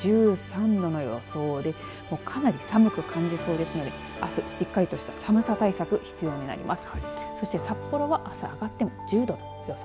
１３度の予想でかなり寒く感じそうですのであすしっかりとした寒さ対策必要となります。